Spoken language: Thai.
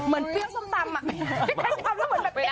เหมือนเปี้ยวซ้ำตำอ่ะ